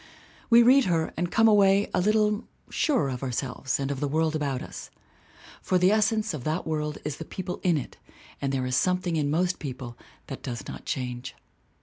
We read her and come away a little surer of ourselves and of the world about us. For the essence of that world is the people in it and there is something in most people that does not change.